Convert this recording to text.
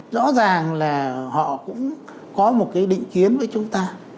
rõ ràng là họ cũng có một cái định kiến với chúng ta